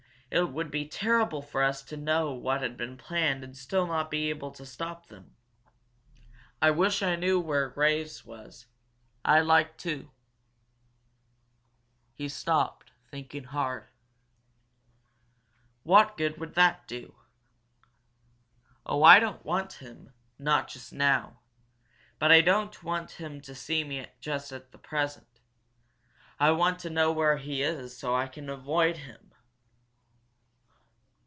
It would be terrible for us to know what had been planned and still not be able to stop them! I wish I knew were Graves was. I'd like to ..." He stopped, thinking hard. "What good would that do?" "Oh, I don't want him not just now. But I don't want him to see me just at present. I want to know where he is so that I can avoid him."